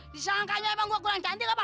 disangkanya emang gua kurang cantik apa